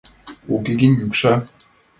Уке гын йӱкша...